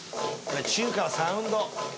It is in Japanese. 中華のサウンド。